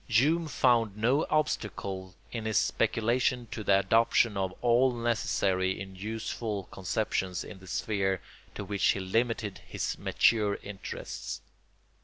Hume found no obstacle in his speculations to the adoption of all necessary and useful conceptions in the sphere to which he limited his mature interests.